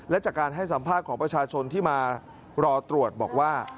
และจากการให้สัมภาษณ์ของประชาชนที่มารอตรวจบอกว่า